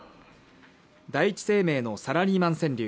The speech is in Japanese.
第一生命のサラリーマン川柳